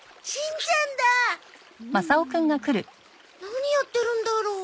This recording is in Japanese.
何やってるんだろう？